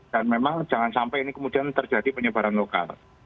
dan memang jangan sampai ini kemudian terjadi penyebaran lokal